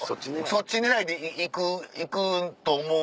そっち狙いで行くと思うんで。